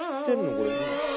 これ。